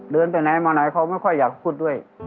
ไปไหนมาไหนเขาไม่ค่อยอยากพูดด้วย